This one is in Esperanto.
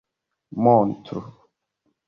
montru